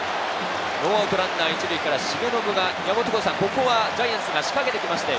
ノーアウトランナー１塁から重信が、ジャイアンツが仕掛けてきました。